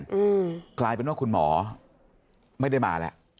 อืมกลายเป็นว่าคุณหมอไม่ได้มาแล้ว